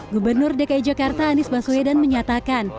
gubernur dki jakarta anies baswedan menyatakan